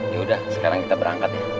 ya udah sekarang kita berangkat ya